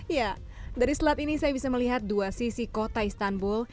ya dari selat ini saya bisa melihat dua sisi kota istanbul